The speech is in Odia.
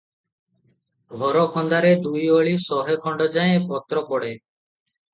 ଘର ଖନ୍ଦାରେ ଦୁଇ ଓଳି ଶହେ ଖଣ୍ଡ ଯାଏଁ ପତ୍ର ପଡ଼େ ।